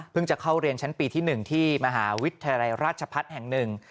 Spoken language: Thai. จะเข้าเรียนชั้นปีที่๑ที่มหาวิทยาลัยราชพัฒน์แห่งหนึ่ง